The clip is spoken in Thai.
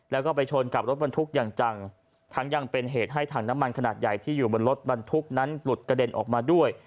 แล้วก็ไปชนกับรถบรรทุกอย่างจังทั้งยังเป็นเหตุให้ถังน้ำมันขนาดใหญ่ที่อยู่บนรถบรรทุกนั้นหลุดกระเด็นออกมาด้วย